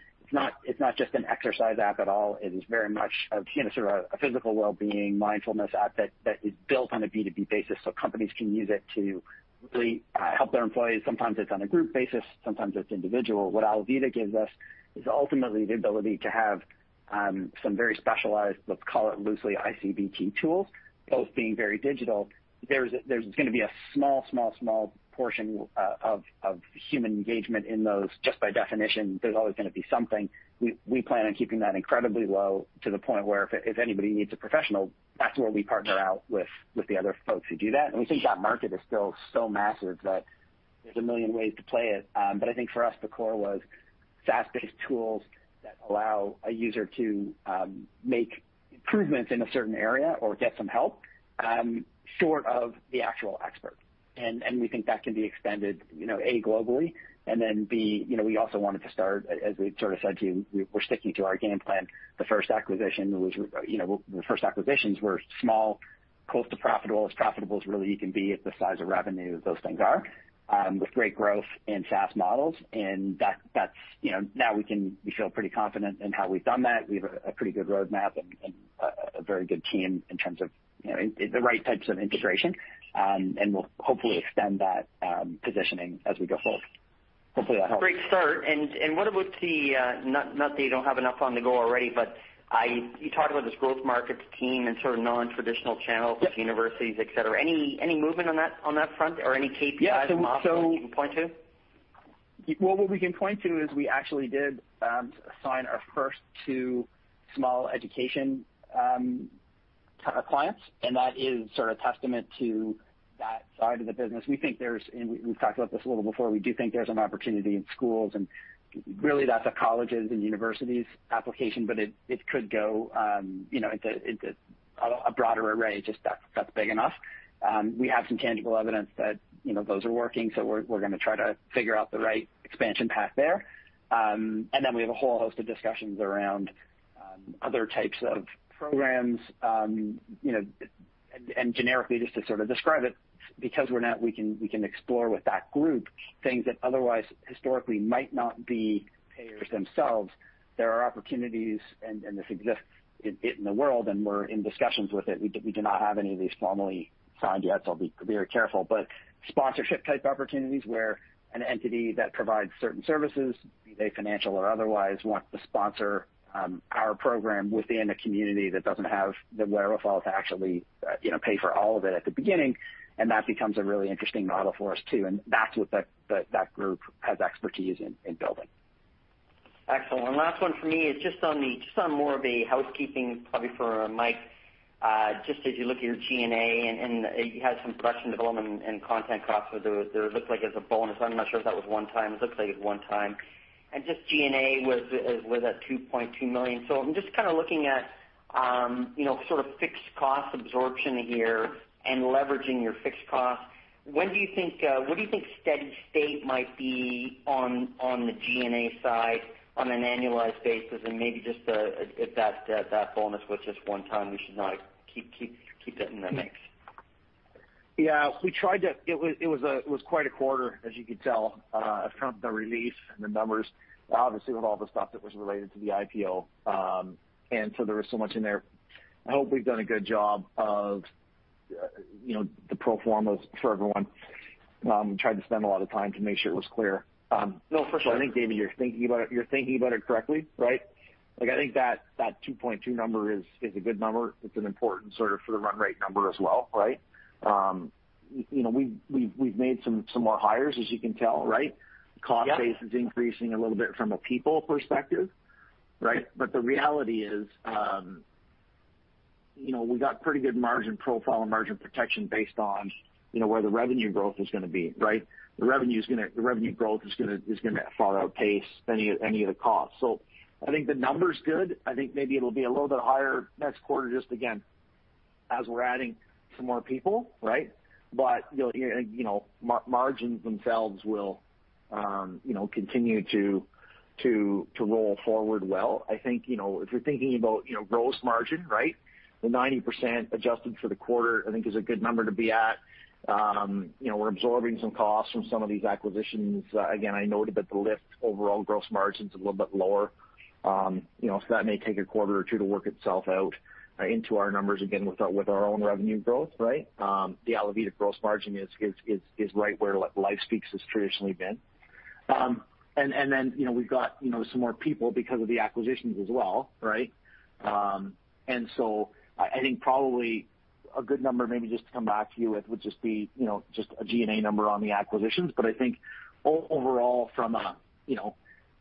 It's not just an exercise app at all. It is very much a, you know, sort of a physical well-being mindfulness app that is built on a B2B basis, so companies can use it to really help their employees. Sometimes it's on a group basis, sometimes it's individual. What ALAViDA gives us is ultimately the ability to have some very specialized, let's call it loosely ICBT tools, both being very digital. There's going to be a small portion of human engagement in those, just by definition. There's always going to be something. We plan on keeping that incredibly low to the point where if anybody needs a professional, that's where we partner out with the other folks who do that. We think that market is still so massive that there's a million ways to play it. I think for us, the core was SaaS-based tools that allow a user to make improvements in a certain area or get some help short of the actual expert. We think that can be expanded, you know, A, globally, and then B, you know, we also wanted to start, as we sort of said to you, we're sticking to our game plan. The first acquisition was, you know, the first acquisitions were small, close to profitable—as profitable as really you can be at the size of revenue those things are, with great growth and SaaS models. That's, you know. Now we feel pretty confident in how we've done that. We have a pretty good roadmap and a very good team in terms of, you know, the right types of integration. We'll hopefully extend that positioning as we go forward. Hopefully, that helps. Great start. What about—not that you don't have enough on the go already—but you talked about this growth markets team and sort of non-traditional channels? Yep. With universities, etc. Any movement on that front or any KPIs or models that you can point to? Well, what we can point to is we actually did sign our first two small education clients, and that is sort of testament to that side of the business. We think there's an opportunity in schools, and we've talked about this a little before. We do think there's an opportunity in schools, and really that's colleges and universities application, but it could go, you know, it's a broader array, just that's big enough. We have some tangible evidence that, you know, those are working, so we're going to try to figure out the right expansion path there. We have a whole host of discussions around other types of programs. You know, generically, just to sort of describe it, because we can explore with that group things that otherwise historically might not be payers themselves. There are opportunities, and this exists in the world, and we're in discussions about it. We do not have any of these formally signed yet, so I'll be very careful. Sponsorship-type opportunities where an entity that provides certain services, be they financial or otherwise, wants to sponsor our program within a community that doesn't have the wherewithal to actually, you know, pay for all of it at the beginning. That becomes a really interesting model for us too. That's what that group has expertise in building. Excellent. My last question is more of a housekeeping item, probably for Mike. Regarding your G&A, you had some production development and content costs that looked like a bonus. I'm not sure if that was a one-time expense, but it appears to be. G&A was at 2.2 million. I'm looking at fixed cost absorption and leveraging your fixed costs. What do you think the steady-state G&A might be on an annualized basis? If that bonus was a one-time expense, we should exclude it from the calculation. Yeah. It was quite a quarter, as you could tell from the release and the numbers, obviously with all the stuff that was related to the IPO. There was so much in there. I hope we've done a good job of, you know, the pro formas for everyone. We tried to spend a lot of time to make sure it was clear. No, for sure. I think, David, you're thinking about it correctly, right? I think that 2.2 is a good number. It's an important sort of run rate number as well, right? You know, we've made some more hires, as you can tell, right? Yeah. The cost base is increasing a little bit from a people perspective, right? The reality is, you know, we've got a pretty good margin profile and margin protection based on, you know, where the revenue growth is going to be, right? The revenue growth is going to far outpace any of the costs. I think the number's good. I think maybe it'll be a little bit higher next quarter, just again, as we're adding some more people, right? You know, margins themselves will, you know, continue to roll forward well. I think, you know, if you're thinking about, you know, gross margin, right? The 90% adjusted for the quarter, I think, is a good number to be at. You know, we're absorbing some costs from some of these acquisitions. Again, I noted that the LIFT overall gross margin is a little bit lower. You know, so that may take a quarter or two to work itself out into our numbers, again, with our own revenue growth, right? The ALAViDA gross margin is right where LifeSpeak's has traditionally been. And then, you know, we've got some more people because of the acquisitions as well, right? I think probably a good number maybe just to come back to you with would just be a G&A number on the acquisitions. I think overall, from an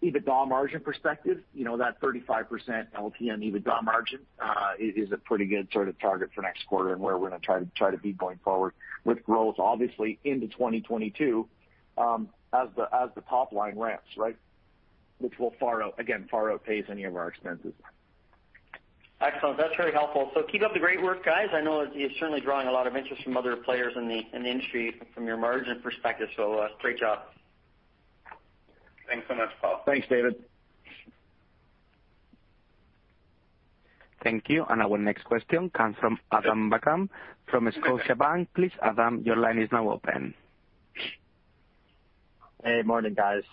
EBITDA margin perspective, that 35% LTM EBITDA margin is a pretty good target for next quarter, and where we're going to try to be going forward with growth, obviously into 2022, as the top line ramps, right? Which will far outpace any of our expenses. Excellent. That's very helpful. Keep up the great work, guys. I know it is certainly drawing a lot of interest from other players in the industry from your margin perspective. Great job. Thanks so much, Paul. Thanks, David. Thank you. Our next question comes from Adam Buckham from Scotiabank. Adam, your line is now open. Hey, morning guys.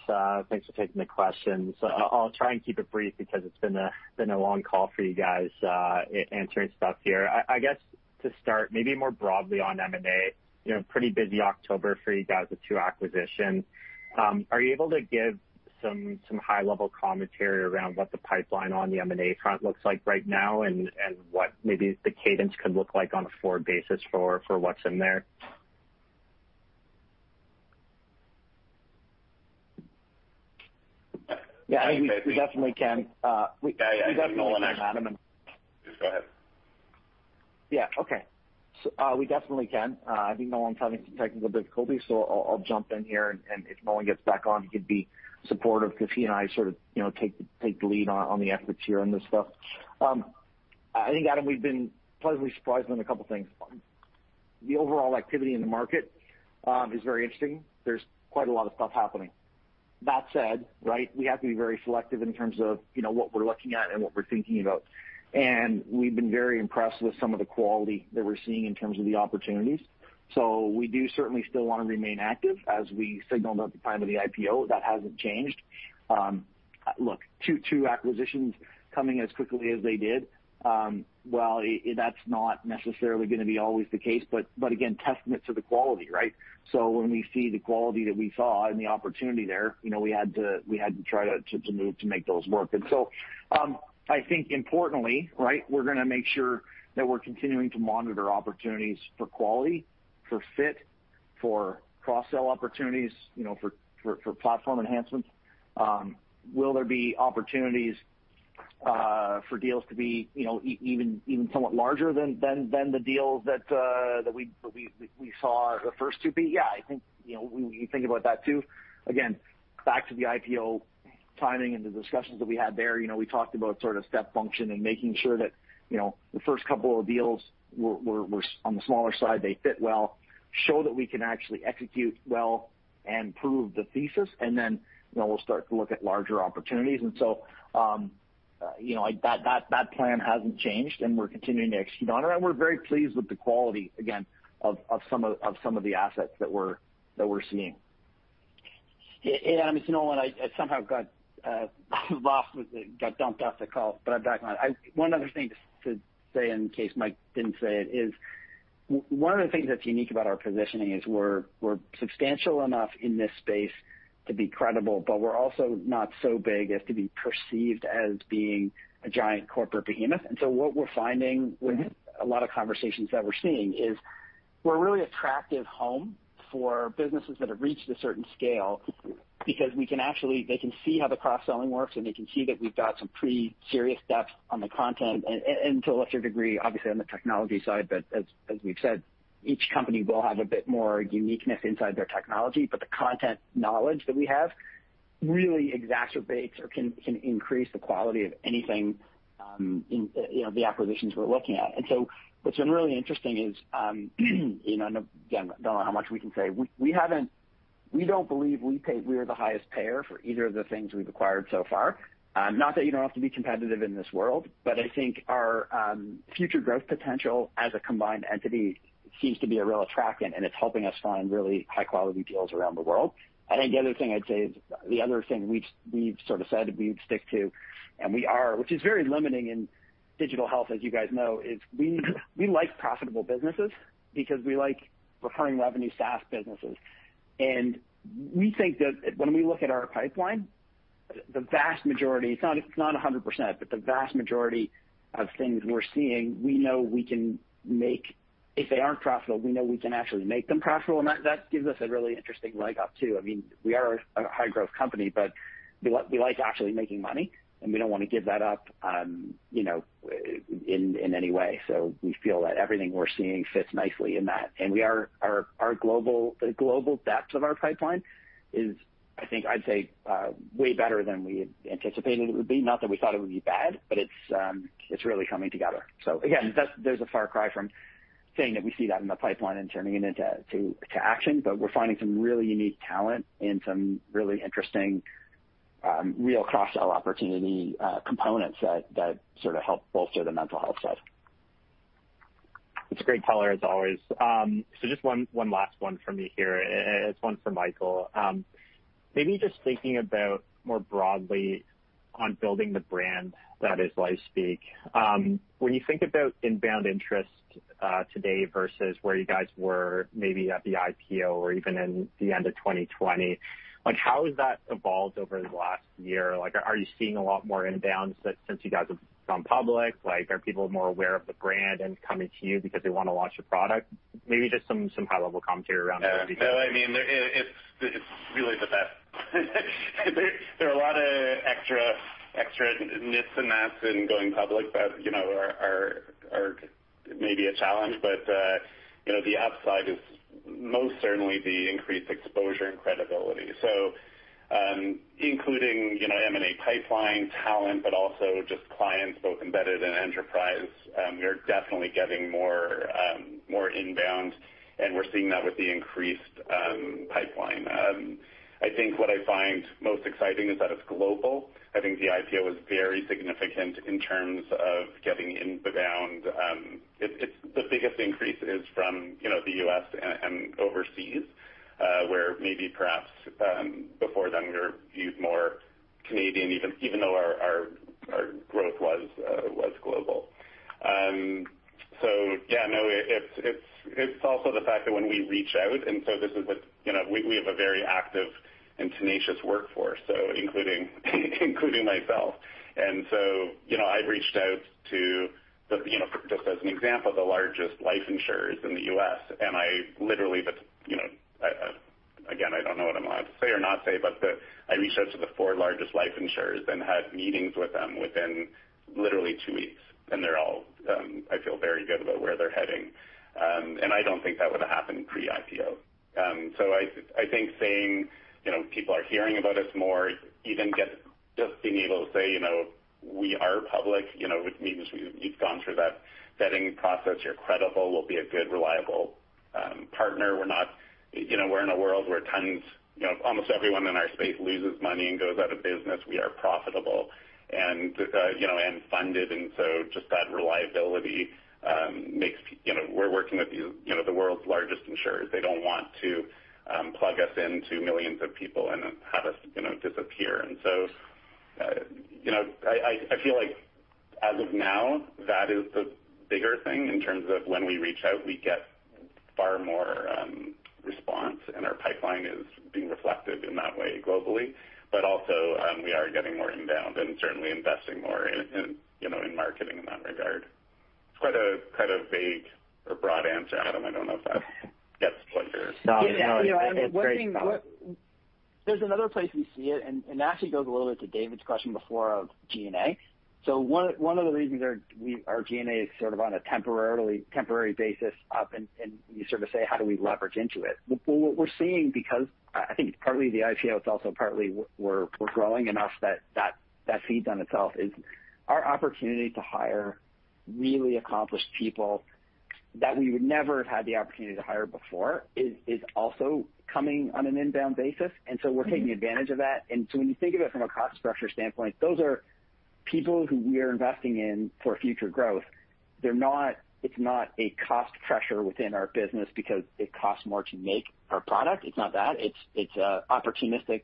Thanks for taking the questions. I'll try and keep it brief because it's been a long call for you guys, answering stuff here. I guess to start, maybe more broadly on M&A, you know, pretty busy October for you guys with two acquisitions. Are you able to give some high-level commentary around what the pipeline on the M&A front looks like right now and what maybe the cadence could look like on a forward basis for what's in there? Yeah, we definitely can. Yeah, yeah. We got Nolan on, Adam. Please go ahead. Yes. Okay. We definitely can. I think Nolan's having some technical difficulties, so I'll jump in here, and if Nolan gets back on, he can be supportive because he and I sort of, you know, take the lead on the efforts here on this stuff. I think, Adam, we've been pleasantly surprised by a couple of things. The overall activity in the market is very interesting. There's quite a lot of stuff happening. That said, right, we have to be very selective in terms of, you know, what we're looking at and what we're thinking about. We've been very impressed with some of the quality that we're seeing in terms of the opportunities. We certainly still want to remain active as we signaled at the time of the IPO. That hasn't changed. Look, two acquisitions coming as quickly as they did, that's not necessarily going to always be the case, but again, a testament to the quality, right? When we see the quality that we saw and the opportunity there, you know, we had to try to make those work. I think importantly, right, we're going to make sure that we're continuing to monitor opportunities for quality, for fit, for cross-sell opportunities, you know, for platform enhancements. Will there be opportunities for deals to be, you know, even somewhat larger than the first two deals we saw? Yeah, I think, you know, when you think about that too, again, back to the IPO timing and the discussions that we had there. You know, we talked about a sort of step function and making sure that, you know, the first couple of deals were on the smaller side, they fit well, show that we can actually execute well and prove the thesis, and then, you know, we'll start to look at larger opportunities. You know, that plan hasn't changed, and we're continuing to execute on it. We're very pleased with the quality again of some of the assets that we're seeing. Adam, it's Nolan. I somehow got bumped off the call, but I'm back on. One other thing to say, in case Mike didn't say it, is that one of the things that's unique about our positioning is we're substantial enough in this space to be credible, but we're also not so big as to be perceived as being a giant corporate behemoth. What we're finding in a lot of conversations is that we're a really attractive home for businesses that have reached a certain scale, because they can see how the cross-selling works, and they can see that we've got some pretty serious depth on the content and, to a lesser degree, obviously on the technology side. But as we've said, each company will have a bit more uniqueness in their technology. The content knowledge that we have really exacerbates or can increase the quality of anything, you know, in the acquisitions we're looking at. What's been really interesting is, you know, and again, I don't know how much we can say. We don't believe we are the highest payer for either of the things we've acquired so far. Not that you don't have to be competitive in this world, but I think our future growth potential as a combined entity seems to be a real attractant, and it's helping us find really high-quality deals around the world. I think the other thing I'd say is, the other thing we've sort of said we'd stick to, and we are, which is very limiting in digital health, as you guys know, is we like profitable businesses because we like recurring revenue SaaS businesses. We think that when we look at our pipeline, the vast majority—it's not a hundred percent, but the vast majority of things we're seeing—if they aren't profitable, we know we can actually make them profitable, and that gives us a really interesting leg up, too. I mean, we are a high-growth company, but we like actually making money, and we don't want to give that up, you know, in any way. We feel that everything we're seeing fits nicely in that. Our global pipeline depth is, I think I'd say, way better than we had anticipated. Not that we thought it would be bad, but it's really coming together. Again, there's a far cry from saying that we see that in the pipeline and turning it into action, but we're finding some really unique talent and some really interesting cross-sell opportunity components that sort of help bolster the mental health side. It's a great color, as always. So, just one last one for me here, and it's one for Michael. Maybe just thinking more broadly about building the brand that is LifeSpeak: When you think about inbound interest today versus where you guys were, maybe at the IPO or even at the end of 2020, how has that evolved over the last year? Are you seeing a lot more inbound interest since you guys have gone public? Are people more aware of the brand and coming to you because they want to launch a product? Maybe just some high-level commentary around that would be helpful. Yeah. No, I mean, it's really the best. There are a lot of extra nits and gnats in going public that, you know, are maybe a challenge. You know, the upside is most certainly the increased exposure and credibility, including, you know, M&A pipeline talent, but also just clients, both embedded and enterprise. We are definitely getting more inbound, and we're seeing that with the increased pipeline. I think what I find most exciting is that it's global. I think the IPO was very significant in terms of getting inbound. The biggest increase is from, you know, the U.S. and overseas, whereas perhaps before then we were viewed more as Canadian, even though our growth was global. It's also the fact that when we reach out, we have a very active and tenacious workforce, including myself. You know, I've reached out to, just as an example, the largest life insurers in the U.S., and I literally just, again, I don't know what I'm allowed to say or not say, but I reached out to the four largest life insurers and had meetings with them within literally two weeks. They're all, I feel, very good about where they're heading. I don't think that would've happened pre-IPO. I think saying, you know, people are hearing about us more, even just being able to say, you know, we are public, which means we've gone through that vetting process. You're credible. We'll be a good, reliable partner. We're not, you know, we're in a world where tons, you know, almost everyone in our space loses money and goes out of business. We are profitable and funded. Just that reliability makes, you know, we're working with, you know, the world's largest insurers. They don't want to plug us into millions of people and then have us, you know, disappear. I feel like, as of now, that is the bigger thing in terms of when we reach out. We get far more response, and our pipeline is reflecting that globally. We are getting more inbound and certainly investing more in marketing in that regard. It's quite a vague or broad answer, Adam. I don't know if that gets what you're- No, no, it's great. Yeah. You know, I mean, we're seeing what? There's another place we see it, and it actually goes a little bit to David's question before about G&A. One of the reasons our G&A is sort of on a temporary basis up, and you sort of say, how do we leverage into it? Well, what we're seeing, because I think it's partly the IPO, it's also partly we're growing enough that that feeds on itself, is our opportunity to hire really accomplished people that we would never have had the opportunity to hire before is also coming on an inbound basis. We're taking advantage of that. When you think of it from a cost structure standpoint, those are people who we are investing in for future growth. It's not a cost pressure within our business because it costs more to make our product. It's not that. It's an opportunistic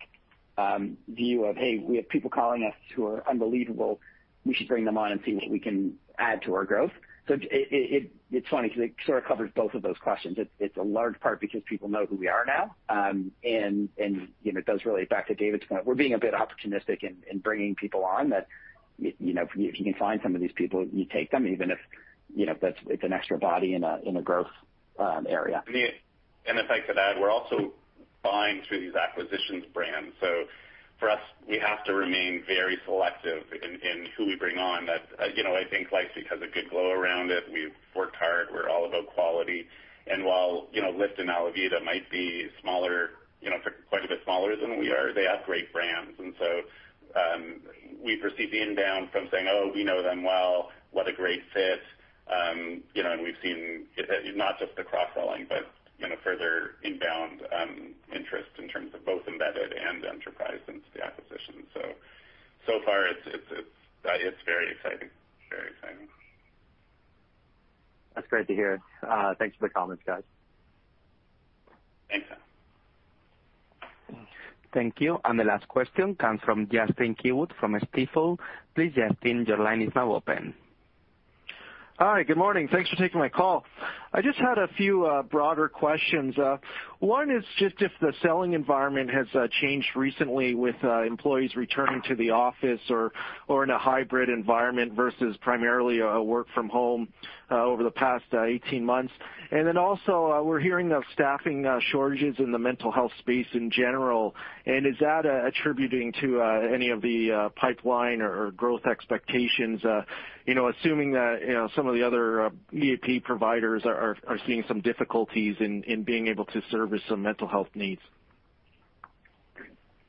view of, "Hey, we have unbelievable people calling us. We should bring them on and see what we can add to our growth." It's funny because it sort of covers both of those questions. It's a large part because people know who we are now. And you know, it really goes back to David's point. We're being a bit opportunistic in bringing people on, people whom, if you can find them, you take, even if that's an extra body in a growth area. Yeah. If I could add, we're also acquiring brands through these acquisitions. For us, we have to remain very selective in who we bring on. I think LifeSpeak has a good glow around it. We've worked hard. We're all about quality. While LIFT and ALAViDA might be smaller, quite a bit smaller than we are, they have great brands. So we've received inbound messages saying, "Oh, we know them well. What a great fit." And we've seen it, not just the cross-selling, but further inbound interest in terms of both embedded and enterprise since the acquisition. So far, it's very exciting. Very exciting. That's great to hear. Thanks for the comments, guys. Thanks, Adam. Thank you. The last question comes from Justin Keywood from Stifel. Please, Justin, your line is now open. Hi. Good morning. Thanks for taking my call. I just had a few broader questions. One is, has the selling environment changed recently with employees returning to the office or in a hybrid environment versus primarily working from home over the past 18 months? We're hearing of staffing shortages in the mental health space in general. Is that contributing to any of the pipeline or growth expectations, assuming that some of the other EAP providers are seeing some difficulties in being able to service some mental health needs?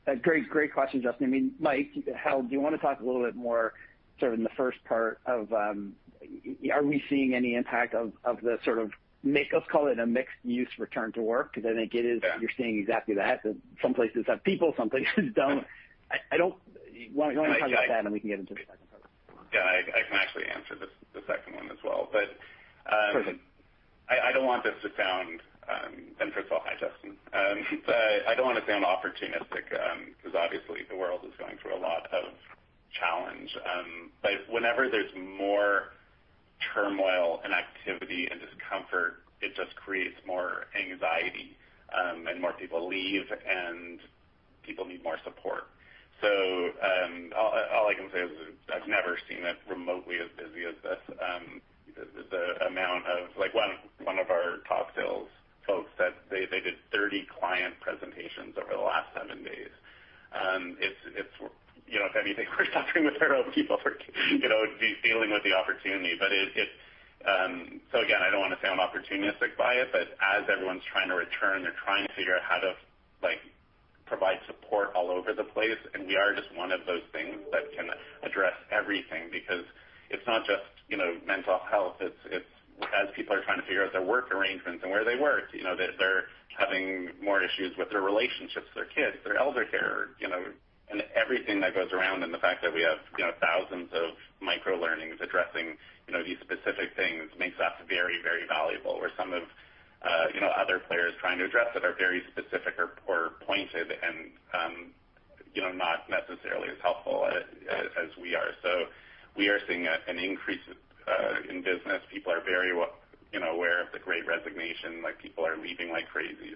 A great question, Justin. I mean, Mike, Hal, do you want to talk a little bit more, sort of, in the first part of, are we seeing any impact of the, sort of, let's call it a mixed-use return to work? Because I think it is. Yeah. You're seeing exactly that. Some places have people, some places don't. Why don't you talk about that, and we can get into the second part. Yeah. I can actually answer the second one as well. Perfect. First of all, hi, Justin. I don't want to sound opportunistic, because obviously the world is going through a lot of challenges. Whenever there's more turmoil, activity, and discomfort, it just creates more anxiety, and more people leave, and people need more support. All I can say is I've never seen it remotely as busy as this. One of our top sales folks said they did 30 client presentations over the last seven days. If anything, we're struggling to keep up with the opportunities. Again, I don't want to sound opportunistic about it, but as everyone's trying to return, they're trying to figure out how to provide support all over the place, and we are just one of those things that can address everything because it's not just, you know, mental health. As people are trying to figure out their work arrangements and where they work, they're having more issues with their relationships, their kids, their elder care, and everything that goes along with it. The fact that we have thousands of micro-learnings addressing these specific things makes us very, very valuable, whereas some of the other players trying to address it are very specific or pointed and not necessarily as helpful as we are. We are seeing an increase in business. People are very aware of the Great Resignation. People are leaving like crazy.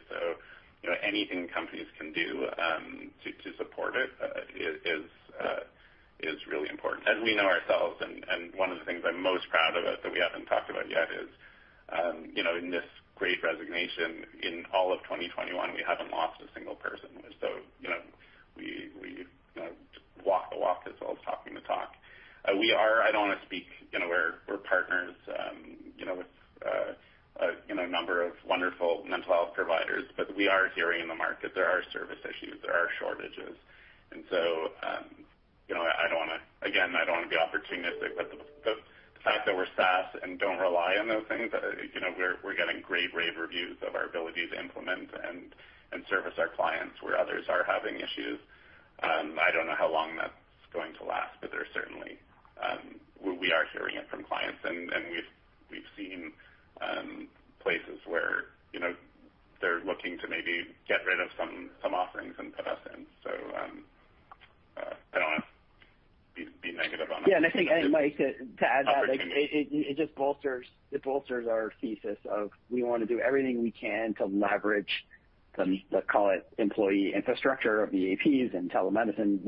Anything companies can do to support it is really important. As we know ourselves, and one of the things I'm most proud of that we haven't talked about yet is that, in this Great Resignation throughout 2021, we haven't lost a single person. We walk the walk as well as talking the talk. We are—I don't want to speak—we're partners with a number of wonderful mental health providers, but we are hearing in the market that there are service issues, there are shortages. I don't want to... Again, I don't want to be opportunistic, but the fact that we're SaaS and don't rely on those things—you know, we're getting great, rave reviews of our ability to implement and service our clients where others are having issues. I don't know how long that's going to last, but we are certainly hearing it from clients, and we've seen places where, you know, they're looking to maybe get rid of some offerings and put us in. I don't want to be negative about that. Yeah. I think, and Mike, to add that- Opportunity. It just bolsters our thesis that we want to do everything we can to leverage the, let's call it, employee infrastructure of EAPs and telemedicine.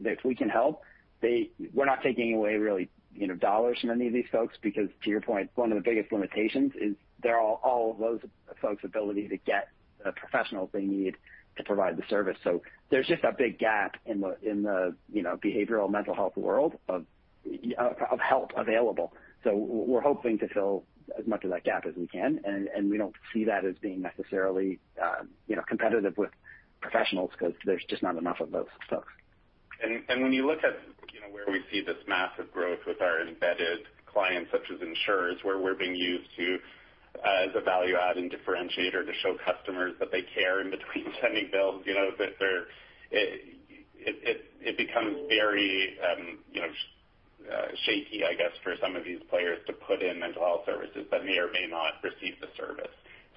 If we can help, we're not really taking away dollars from any of these folks because, to your point, one of the biggest limitations is their ability to get the professionals they need to provide the service. There's just a big gap in the behavioral and mental health world of available help. We're hoping to fill as much of that gap as we can. We don't see that as being necessarily competitive with professionals because there just aren't enough of those folks. When you look at where we see this massive growth with our embedded clients, such as insurers, we're being used as a value-add and differentiator to show customers that we care in between sending bills. It becomes very shaky, I guess, for some of these players to put in mental health services that may or may not receive the service.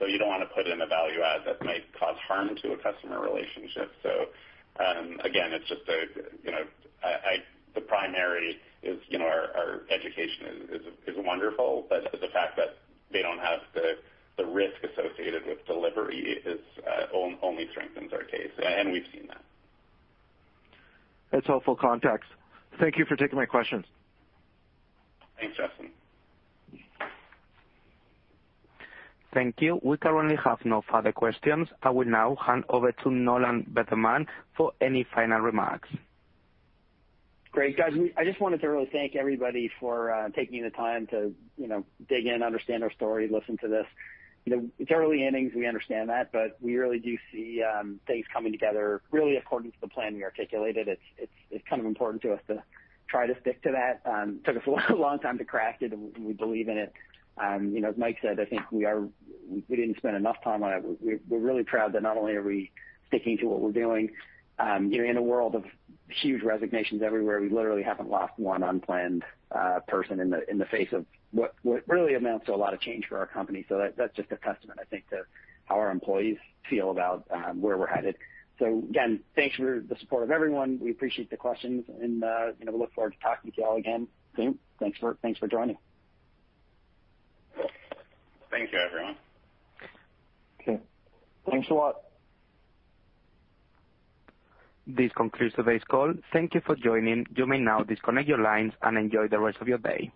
You don't want to put in a value-add that might cause harm to a customer relationship. Again, the primary is, our education is wonderful, but the fact that they don't have the risk associated with delivery only strengthens our case, and we've seen that. That's helpful context. Thank you for taking my questions. Thanks, Justin. Thank you. We currently have no further questions. I will now hand over to Nolan Bederman for any final remarks. Great. Guys, I just wanted to really thank everybody for taking the time to, you know, dig in, understand our story, listen to this. You know, it's early innings, we understand that, but we really do see things coming together really according to the plan we articulated. It's kind of important to us to try to stick to that. You know, as Mike said, I think we didn't spend enough time on it. We're really proud that not only are we sticking to what we're doing, you know, in a world of huge resignations everywhere, we literally haven't lost one unplanned person in the face of what really amounts to a lot of change for our company. That's just a testament, I think, to how our employees feel about where we're headed. Again, thanks for everyone's support. We appreciate the questions and, you know, we look forward to talking to you all again soon. Thanks for joining. Thank you, everyone. Okay. Thanks a lot. This concludes today's call. Thank you for joining. You may now disconnect your lines and enjoy the rest of your day.